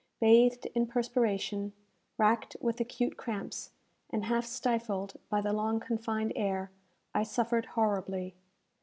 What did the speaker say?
Bathed in perspiration, racked with acute cramps, and half stifled by the long confined air, I suffered horribly.